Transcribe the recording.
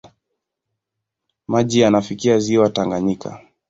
Maji yanafikia ziwa Tanganyika.